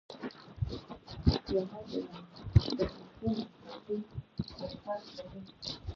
پیاله د خوښۍ ناڅاپي احساس لري.